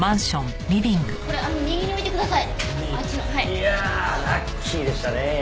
いやラッキーでしたね。